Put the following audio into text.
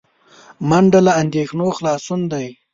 منډه له اندېښنو خلاصون دی